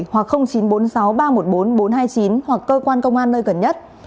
hoặc chín trăm bốn mươi sáu ba trăm một mươi bốn bốn trăm hai mươi chín hoặc cơ quan công an nơi gần nhất